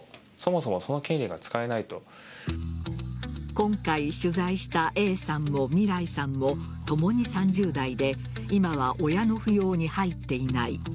今回取材したＡさんもみらいさんも共に３０代で今は親の扶養に入っていない。